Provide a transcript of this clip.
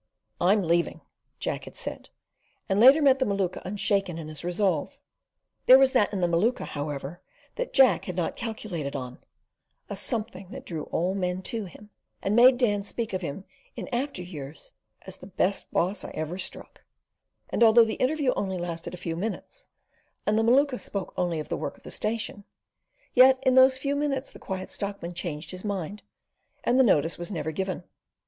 "I'm leaving!" Jack had said, and later met the Maluka unshaken in his resolve. There was that in the Maluka, however, that Jack had not calculated on a something that drew all men to him, and made Dan speak of him in after years as the "best boss ever I struck"; and although the interview only lasted a few minutes, and the Maluka spoke only of the work of the station, yet in those few minutes the Quiet Stockman changed his mind, and the notice was never given.